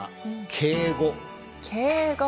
敬語。